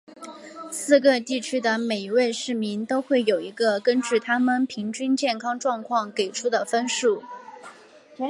四个地区的每一位市民都会有一个根据他们平均健康状况给出的分数。